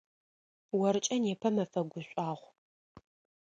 Оркӏэ непэ мэфэ гушӏуагъу.